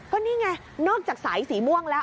ก็นี่ไงนอกจากสายสีม่วงแล้ว